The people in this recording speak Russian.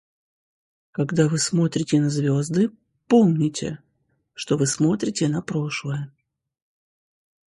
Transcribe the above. Когда вы смотрите на звезды, помните, что вы смотрите на прошлое.